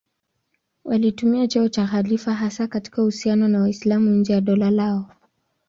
Walitumia cheo cha khalifa hasa katika uhusiano na Waislamu nje ya dola lao.